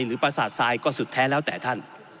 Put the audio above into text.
ประสาททรายก็สุดแท้แล้วแต่ท่าน